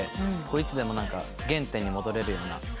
いつでも原点に戻れるような。